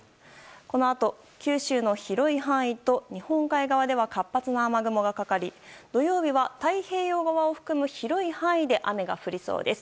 このあと九州の広い範囲と日本海側では活発な雨雲がかかり土曜日は太平洋側を含む広い範囲で雨が降りそうです。